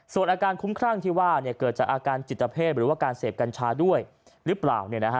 ส่วนอาการคุ้มครั่งที่ว่าเกิดจากอาการจิตเพศหรือว่าการเสพกัญชาด้วยหรือเปล่า